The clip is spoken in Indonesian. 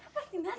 gak pasti mas